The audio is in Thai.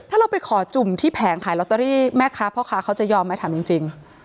ถ้าเราไปขอจุ่มที่แผงขายลอตเตอรี่แม่ค้าพ่อค้าเขาจะยอมไหมถามจริง